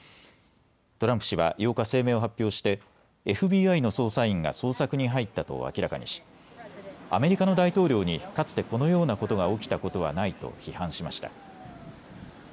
トランプ氏は８日、声明を発表してＦＢＩの捜査員が捜索に入ったと明らかにしアメリカの大統領にかつてこのようなことが起きたことはないと批判しました。